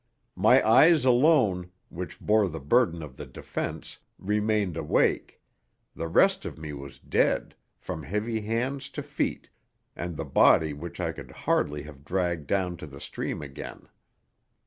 My eyes alone, which bore the burden of the defence, remained awake; the rest of me was dead, from heavy hands to feet, and the body which I could hardly have dragged down to the stream again.